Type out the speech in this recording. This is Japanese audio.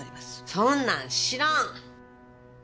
そんなん知らん。